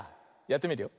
やってみるよ。